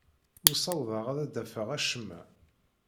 Ur ssawḍeɣ ad d-afeɣ acemma.